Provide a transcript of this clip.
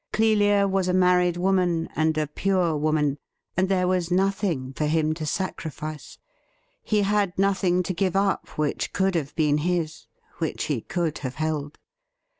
Clelia was a married woman, and a pure woman, and there was nothing for him to sacrifice ; he had nothing to give up which could have been his, which he could have held.